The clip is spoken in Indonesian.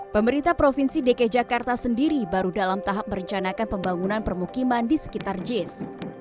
pemerintah provinsi dki jakarta sendiri baru dalam tahap merencanakan pembangunan permukiman di sekitar jis